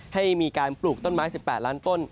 ให้มีการปลูกต้นไม้๑๘ล้านต้น